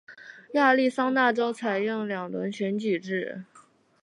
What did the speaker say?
亚利桑那州采用两轮选举制。